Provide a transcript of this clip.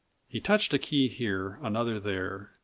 He touched a key here, another there.